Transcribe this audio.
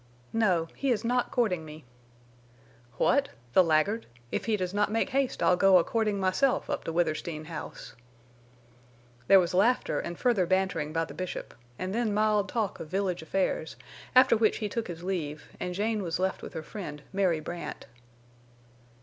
"No. He is not courting me." "What? The laggard! If he does not make haste I'll go a courting myself up to Withersteen House." There was laughter and further bantering by the Bishop, and then mild talk of village affairs, after which he took his leave, and Jane was left with her friend, Mary Brandt.